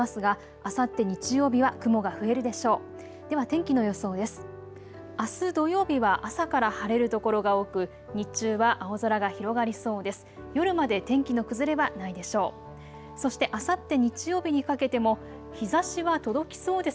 あす土曜日は朝から晴れる所が多く日中は青空が広がりそうです。